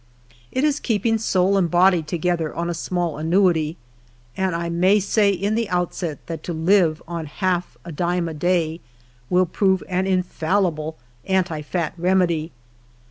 It is keep ing soul and bodv together on a small annuity, and I mav say in the outset that to live on half a dime a day will prove an infallible "anti fat" remedy.